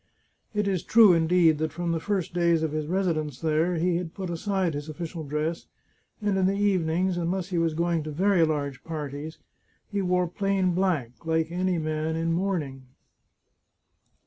It is true, indeed, that from the first days of his residence there he had put aside his official dress, and in the evenings, unless he was going to very large parties, he wore plain black, like any man in mourning.